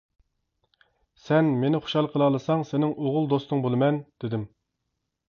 -سەن مېنى خۇشال قىلالىساڭ سېنىڭ ئوغۇل دوستۇڭ بولىمەن، -دېدىم.